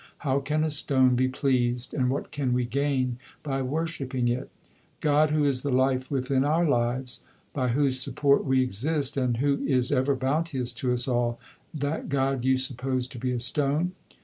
How can a stone be pleased, and what can we gain by worshipping it ? God who is the life within our lives, by whose support we exist, and who is ever bounteous to us all that God you suppose to be a stone.